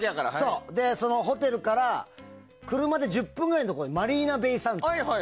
ホテルから車で１０分ぐらいのところにマリーナベイサンズっていう。